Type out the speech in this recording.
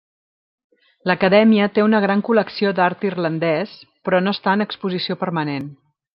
L'Acadèmia té una gran col·lecció d'art irlandès, però no està en exposició permanent.